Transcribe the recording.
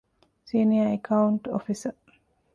ސީނިއަރ އެކައުންޓް އޮފިސަރ